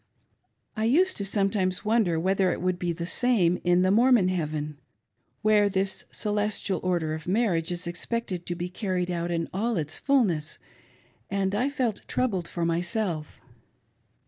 I used sometimes to wonder whether it would be the same in the Mormon heaven, where this Celestial Order of Marriage is expected to be carried out in all its fullness, and I felt troubled for myself.